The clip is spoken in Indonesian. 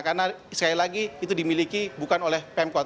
karena sekali lagi itu dimiliki bukan oleh pemkot